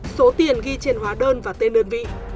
số tiền ghi trên hóa đơn và tên đơn vị